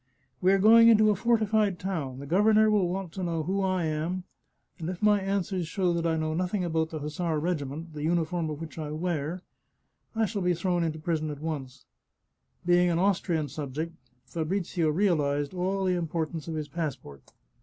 " We are going into a fortified town ; the governor will want to know who I am, and if my answers show that I know nothing about the hussar regiment, the uniform of which I wear, I shall be thrown into prison at once." Being an Austrian sub ject, Fabrizio realized all the importance of his passport.